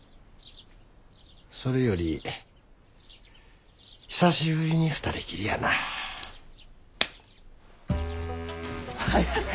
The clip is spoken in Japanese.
それより久しぶりに２人きりやな。早く！